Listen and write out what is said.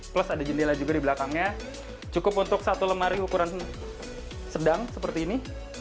plus ada jendela juga di belakangnya cukup untuk satu lemari ukuran sedang seperti ini